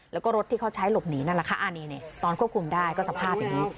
แล้วก็รถที่เขาใช้หลบหนีนั่นแหละค่ะอันนี้ตอนควบคุมได้ก็สภาพอย่างนี้